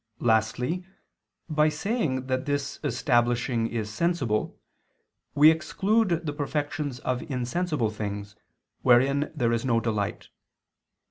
Lastly, by saying that this establishing is "sensible," we exclude the perfections of insensible things wherein there is no delight.